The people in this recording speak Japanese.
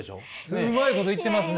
すごいこといってますね！